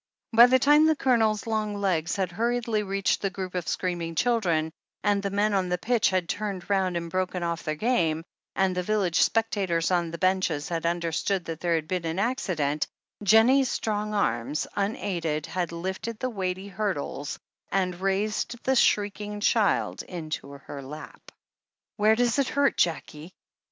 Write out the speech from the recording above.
By the time the Coloners long legs had hurriedly reached the group of screaming children, and the men on the pitch had turned round and broken off their game, and the village spectators on the benches had imderstood that there had been an accident, Jennie's strong arms, unaided, had lifted the weighty hurdles and raised the shrieking child into her lap. "Where does it hurt, Jackie